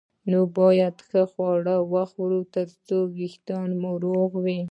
نو باید ښه خواړه وخورو ترڅو وېښتان مو روغ وي